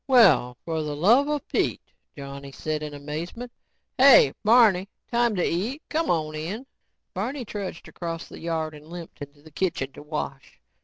"Well, for the luvva Pete," Johnny said in amazement. "Hey, Barney, time to eat. C'mon in." Barney trudged across the yard and limped into the kitchen to wash.